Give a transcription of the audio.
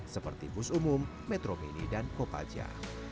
seperti bus umum metromini dan kopaja